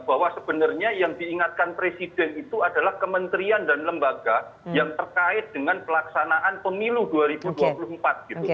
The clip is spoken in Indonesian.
bahwa sebenarnya yang diingatkan presiden itu adalah kementerian dan lembaga yang terkait dengan pelaksanaan pemilu dua ribu dua puluh empat gitu